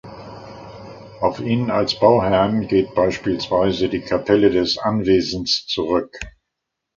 Auf ihn als Bauherrn geht beispielsweise die Kapelle des Anwesens zurück.